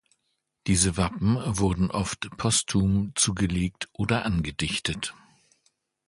Diese Wappen wurden oft postum zugelegt oder angedichtet.